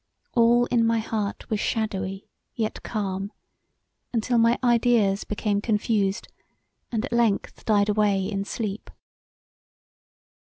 All in my heart was shadowy yet calm, untill my ideas became confused and at length died away in sleep.